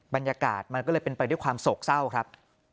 บรรยากาศมันก็เลยเป็นไปด้วยความโศกเศร้าครับ